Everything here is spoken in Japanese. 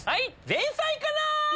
前菜から！